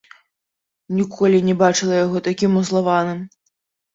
Ніколі не бачыла яго такім узлаваным.